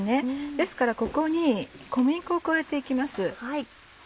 ですからここに小麦粉を加えて行きます。